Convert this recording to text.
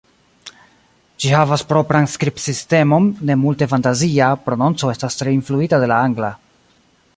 Ĝi havas propran skribsistemon, ne multe fantazia, prononco estas tre influita de la angla.